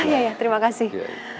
iya terima kasih